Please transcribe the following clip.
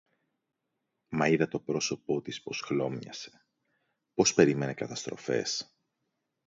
Μα είδα το πρόσωπο της πως χλώμιασε, πως περίμενε καταστροφές